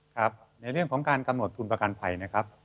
ครับในเรื่องของการกำหนดทุนประกันภัยนะครับ